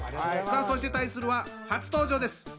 さあそして対するは初登場です